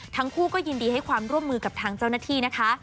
ทั้งคู่ก็ยินดีให้ความร่วมมือกับทางเจ้าหน้าที่นะคะ